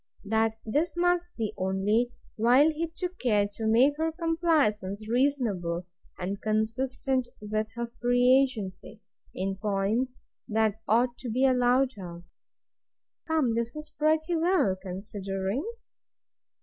That this must be only while he took care to make her compliance reasonable, and consistent with her free agency, in points that ought to be allowed her. Come, this is pretty well, considering.